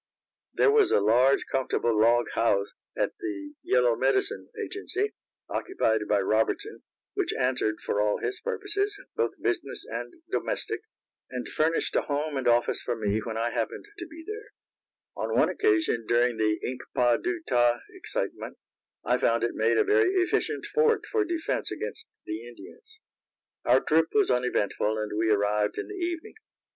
There was a large comfortable log house at the Yellow Medicine agency, occupied by Robertson, which answered for all his purposes, both business and domestic, and furnished a home and office for me when I happened to be there; and on one occasion, during the Ink pa du ta excitement, I found it made a very efficient fort for defense against the Indians. Our trip was uneventful, and we arrived in the evening.